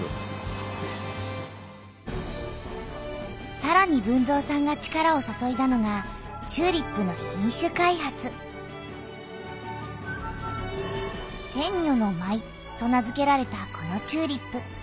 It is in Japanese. さらに豊造さんが力を注いだのがチューリップの「天女の舞」と名づけられたこのチューリップ。